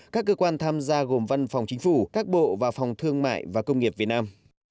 các cơ quan tham gia gồm văn phòng chính phủ các bộ và phòng thương mại và công nghiệp việt nam